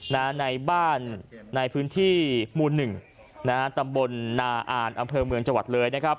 ในบ้านในพื้นที่หมู่หนึ่งนะฮะตำบลนาอ่านอำเภอเมืองจังหวัดเลยนะครับ